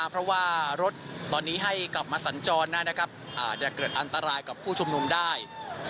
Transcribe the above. เพราะว่ารถตอนนี้ให้กลับมาสัญจรอาจจะเกิดอันตรายกับผู้ชุมนุมได้